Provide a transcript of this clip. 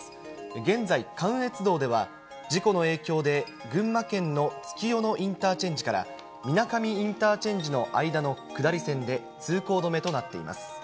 現在、関越道では、事故の影響で、群馬県の月夜野インターチェンジから水上インターチェンジの間の下り線で通行止めとなっています。